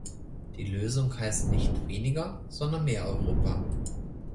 Die Lösung heißt nicht weniger, sondern mehr Europa.